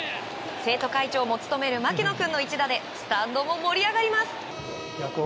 生徒会長も務める牧野君の一打でスタンドも盛り上がります。